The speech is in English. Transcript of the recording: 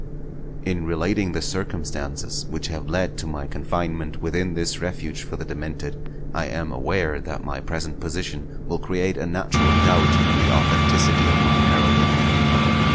In relating the circumstances which have led to my confinement within this refuge for the demented, I am aware that my present position will create a natural doubt of the authenticity of my narrative.